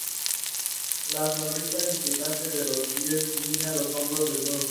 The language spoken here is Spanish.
la sonrisa inquietante, los pies de niña, los hombros desnudos